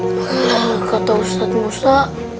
lah kata ustadz musa